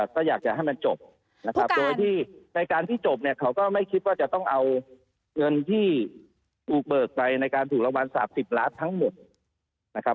ก็อยากจะให้มันจบนะครับโดยที่ในการที่จบเนี่ยเขาก็ไม่คิดว่าจะต้องเอาเงินที่ถูกเบิกไปในการถูกรางวัล๓๐ล้านทั้งหมดนะครับ